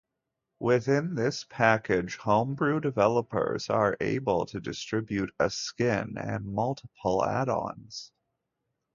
Within this package homebrew developers are able to distribute a skin and multiple addons.